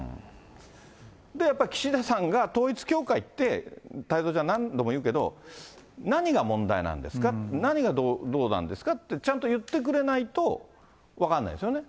やっぱり岸田さんが、統一教会って、太蔵ちゃん、何度も言うけど、何が問題なんですか、何がどうなんですかって、ちゃんと言ってくれないと、分かんないですよね。